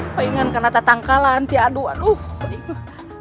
palingan kena tetangka lantai aduh